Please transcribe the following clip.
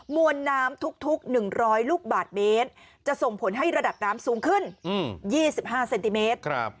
มวลน้ำทุก๑๐๐ลูกบาทเมตรจะส่งผลให้ระดับน้ำสูงขึ้น๒๕เซนติเมตร